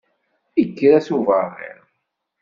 Ikker-as uberriḍ.